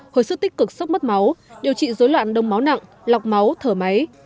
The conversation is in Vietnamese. hồi sức tích cực sốc mất máu điều trị dối loạn đông máu nặng lọc máu thở máy